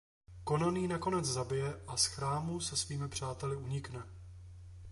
Conan ji nakonec zabije a z chrámu se svými přáteli unikne.